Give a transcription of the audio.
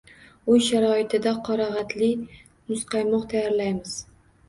Uy sharoitida qorag‘atli muzqaymoq tayyorlaymiz